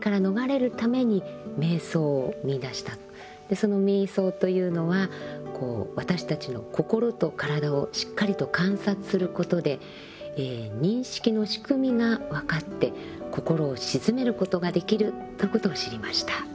その瞑想というのは私たちの心と体をしっかりと観察することで認識の仕組みが分かって心を静めることができるということを知りました。